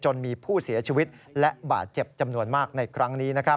มีผู้เสียชีวิตและบาดเจ็บจำนวนมากในครั้งนี้